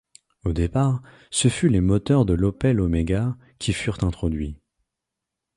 Au départ, ce fut les moteurs de l'Opel Omega qui furent introduits.